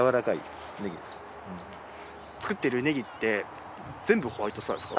作っているネギって全部ホワイトスターですか？